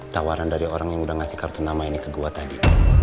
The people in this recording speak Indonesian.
tawaran dari orang yang udah ngasih kartu nama ini kedua tadi